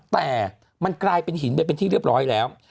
แต่มันกลายเป็นหินไปเป็นที่เรียบร้อยแล้ว